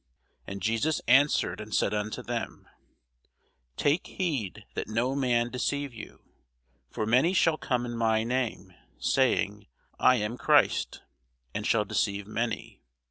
And Jesus answered and said unto them, Take heed that no man deceive you. For many shall come in my name, saying, I am Christ; and shall deceive many.